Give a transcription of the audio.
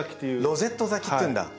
ロゼット咲きっていうんだ。